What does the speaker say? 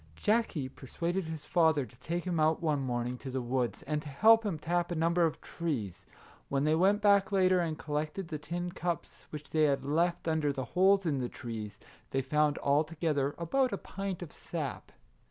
Jackie per suaded his father to take him out one morning to the woods, and to help him tap a number of trees. When they went back later and collected the tin cups which they had left under the holes in the trees, they found alto gether about a pint of sap.